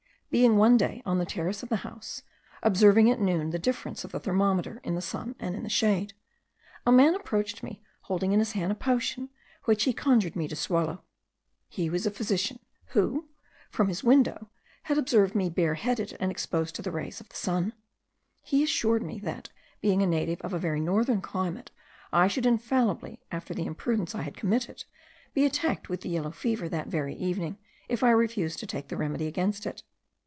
Being one day on the terrace of the house, observing at noon the difference of the thermometer in the sun and in the shade, a man approached me holding in his hand a potion, which he conjured me to swallow. He was a physician, who from his window, had observed me bareheaded, and exposed to the rays of the sun. He assured me, that, being a native of a very northern climate, I should infallibly, after the imprudence I had committed, be attacked with the yellow fever that very evening, if I refused to take the remedy against it.